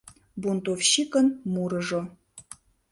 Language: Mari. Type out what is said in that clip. Бунтовщикын мурыжо